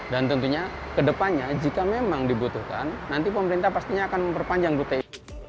dan tentunya ke depannya jika memang dibutuhkan nanti pemerintah pastinya akan memperpanjang rute ini